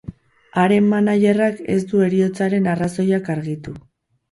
Haren managerrak ez du heriotzaren arrazoiak argitu.